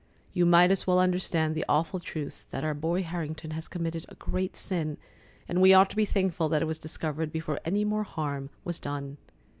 You might as well understand the awful truth that our boy Harrington has committed a great sin, and we ought to be thankful that it was discovered before any more harm was done.